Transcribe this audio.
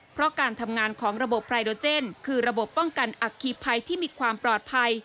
เพราะการทำงานของระบบไพรโดเจนคือระบบป้องกันอัคคีภัยที่มีความปลอดภัย